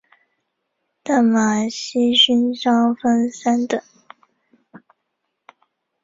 淡马锡勋章分三等。